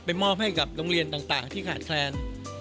มอบให้กับโรงเรียนต่างที่ขาดแคลน